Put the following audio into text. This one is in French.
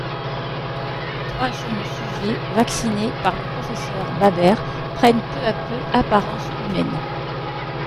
Trois jeunes sujets, vaccinés par le Pr Baber, prennent peu à peu apparence humaine.